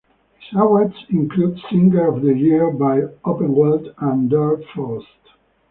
His awards include Singer of the Year by "Opernwelt" and Der Faust.